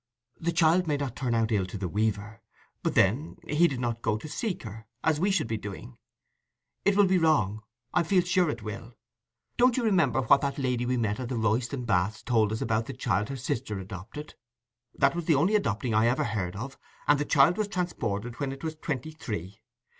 "The child may not turn out ill with the weaver. But, then, he didn't go to seek her, as we should be doing. It will be wrong: I feel sure it will. Don't you remember what that lady we met at the Royston Baths told us about the child her sister adopted? That was the only adopting I ever heard of: and the child was transported when it was twenty three.